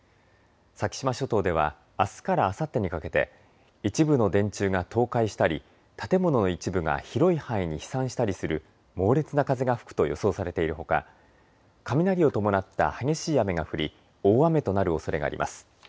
先島諸島ではあすからあさってにかけて一部の電柱が倒壊したり建物の一部が広い範囲に飛散したりする猛烈な風が吹くと予想されているほか雷を伴った激しい雨が降り大雨となるおそれがあります。